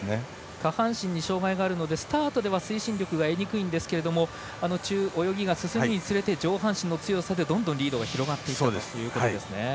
下半身に障がいがあるのでスタートでは推進力が得にくいんですが泳ぎが進むにつれて上半身の強さでどんどんリードが広がっていったということですね。